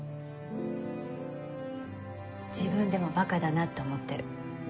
自分でもバカだなって思ってる。